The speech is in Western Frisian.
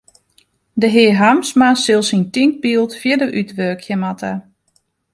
De hear Harmsma sil syn tinkbyld fierder útwurkje moatte.